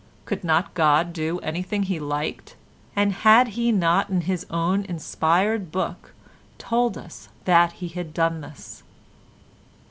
Could not God do anything He liked, and had He not in His own inspired Book told us that He had done this?